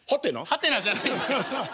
「ハテナ」じゃないんだよ。